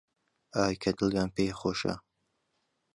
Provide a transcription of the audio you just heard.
ئای کە دڵیان پێی خۆشە